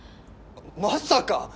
まさか！